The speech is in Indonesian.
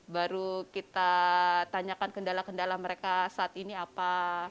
baru kita tanyakan kendala kendala mereka saat ini apa